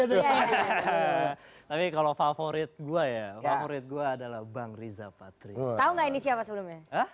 tapi kalau favorit gua ya murid gua adalah bang riza patrik tahu nggak ini siapa sebelumnya